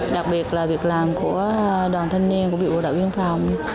đặc biệt là việc làm của đoàn thanh niên của bộ đạo viên phòng